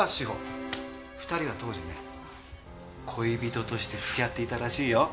２人は当時ね恋人として付き合っていたらしいよ。